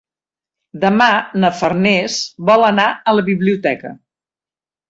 Demà na Farners vol anar a la biblioteca.